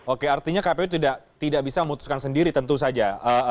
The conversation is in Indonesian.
oke artinya kpu tidak bisa memutuskan sendiri tentu saja